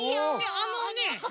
あのね。